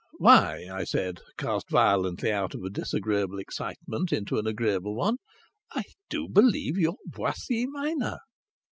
"Why," I said, cast violently out of a disagreeable excitement into an agreeable one, "I do believe you are Boissy Minor!"